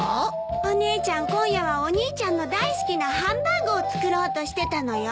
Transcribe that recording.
お姉ちゃん今夜はお兄ちゃんの大好きなハンバーグを作ろうとしてたのよ。